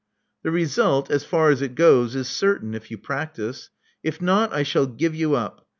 The result, as far as it goes, is certain, if you practice. If not, I shall give you up.